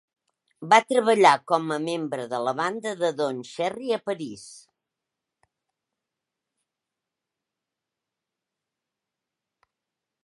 Va treballar com a membre de la banda de Don Cherry a París.